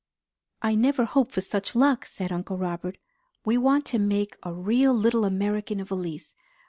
"I never hoped for such luck!" said Uncle Robert. "We want to make a real little American of Elise.